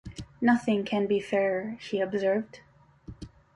‘Nothing can be fairer,’ he observed.